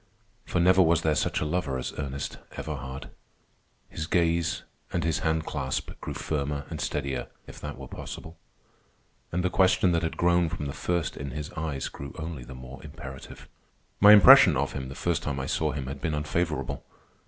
For never was there such a lover as Ernest Everhard. His gaze and his hand clasp grew firmer and steadier, if that were possible; and the question that had grown from the first in his eyes, grew only the more imperative. My impression of him, the first time I saw him, had been unfavorable.